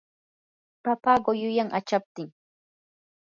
papa quyuyan achaptin.